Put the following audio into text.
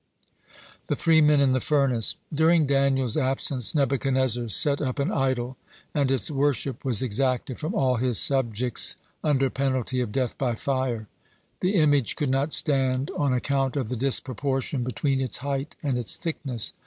(82) THE THREE MEN IN THE FURNACE During Daniel's absence Nebuchadnezzar set up an idol, and its worship was exacted from all his subject under penalty of death by fire. The image could not stand on account of the disproportion between its height and its thickness.